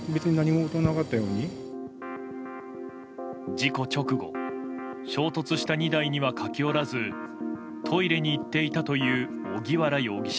事故直後衝突した２台には駆け寄らずトイレに行っていたという荻原容疑者。